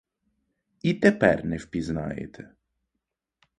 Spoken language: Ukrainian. І тепер не впізнаєте?